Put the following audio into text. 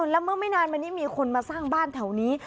แล้วเมื่อไม่นานมานี้มีคนมาสร้างบ้านแถวนี้